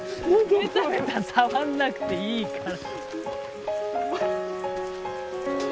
ベタベタ触んなくていいから。